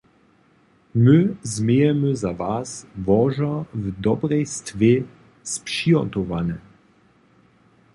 My změjemy za was łožo w dobrej stwě spřihotowane.